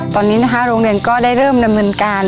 ตอนนี้นะคะโรงเรียนก็ได้เริ่มดำเนินการ